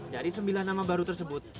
dari sembilan nama baru tersebut